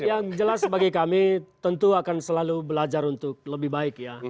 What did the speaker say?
yang jelas bagi kami tentu akan selalu belajar untuk lebih baik ya